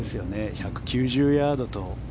１９０ヤードと。